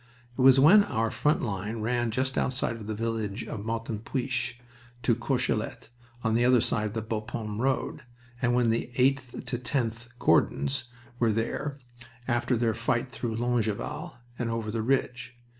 It was when our front line ran just outside the village of Martinpuich to Courcelette, on the other side of the Bapaume road, and when the 8th 10th Gordons were there, after their fight through Longueval and over the ridge.